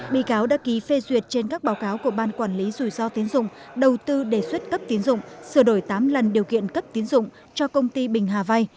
bị cáo đã ký phê duyệt trên các báo cáo của ban quản lý rủi ro tiến dụng đầu tư đề xuất cấp tiến dụng sửa đổi tám lần điều kiện cấp tiến dụng cho công ty bình hà vai